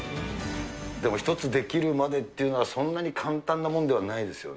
でも、一つできるまでっていうのは、そんなに簡単なものではないです